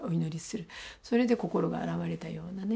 それで心が洗われたようなね